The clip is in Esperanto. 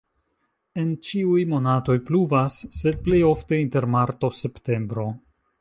En ĉiuj monatoj pluvas, sed plej ofte inter marto-septembro.